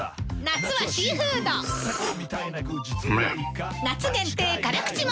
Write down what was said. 夏はシーフードうふふ！